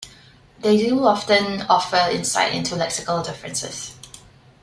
They do often offer insight into lexical differences.